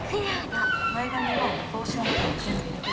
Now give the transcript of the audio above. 前髪は帽子の中に全部入れて。